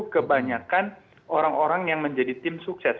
kebanyakan orang orang yang menjadi tim sukses